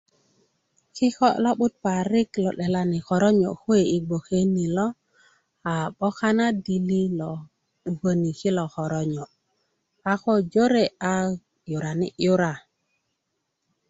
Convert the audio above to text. kikö lo'but parik lo 'delani koronyo kuwe i bgoke ni lo a 'boka na dili lo 'bukoni kilo koronyo a ko jore a 'yurani 'yura